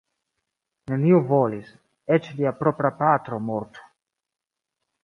Neniu volis; eĉ lia propra patro Mort.